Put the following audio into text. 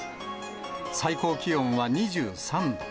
最高気温は２３度。